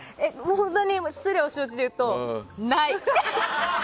本当に失礼を承知で言うとない。